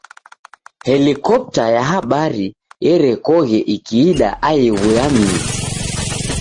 Helikopta ya habari erekoghe ikiida aighu ya mizi,.